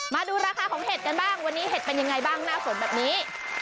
มาดูราคาของเห็ดกันบ้างวันนี้เห็ดเป็นยังไงบ้างหน้าฝนแบบนี้